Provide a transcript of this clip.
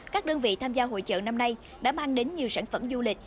các đơn vị tham gia hội trợ năm nay đã mang đến nhiều sản phẩm du lịch